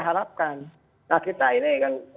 harapkan nah kita ini kan